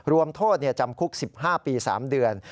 รวมโทษจำคุก๑๕ปี๓เดือน